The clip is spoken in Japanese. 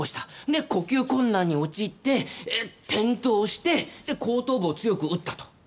で呼吸困難に陥って転倒してで後頭部を強く打ったと。